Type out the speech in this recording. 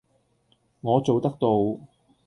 我做得到!